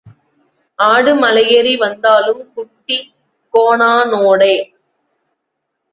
ஆடு மலையேறி வந்தாலும் குட்டி கோனானோடே.